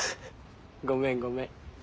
ごめんごめん。